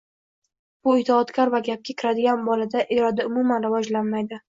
Bu, itoatkor va gapga kiradigan bolada iroda umuman rivojlanmaydi